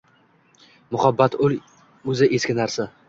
Muhabbat-ul o’zi eski narsa